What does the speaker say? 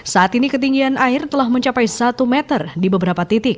saat ini ketinggian air telah mencapai satu meter